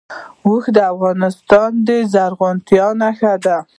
اوښ د افغانستان د زرغونتیا نښه ده.